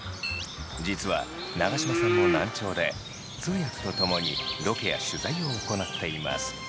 実は長嶋さんも難聴で通訳と共にロケや取材を行っています。